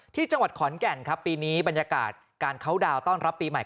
ที่จังหวัดขอนแก่นครับปีนี้บรรยากาศการเข้าดาวน์ต้อนรับปีใหม่